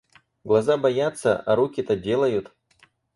Глаза боятся, а руки-то делают!